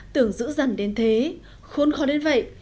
tưởng dữ dằn đến thế khôn khó đến vậy